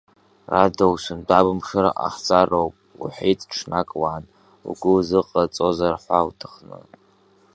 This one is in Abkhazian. Радоу сынтәа бымшира ҟаҳҵароуп, — лҳәеит ҽнак лан, лгәы лзыҟаҵозар ҳәа лҭахны.